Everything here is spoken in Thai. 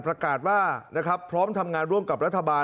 ประกาศว่านะครับพร้อมทำงานร่วมกับรัฐบาล